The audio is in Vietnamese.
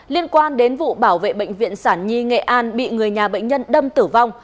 liên quan đến vụ bảo vệ bệnh viện sản nhi nghệ an bị người nhà bệnh nhân đâm tử vong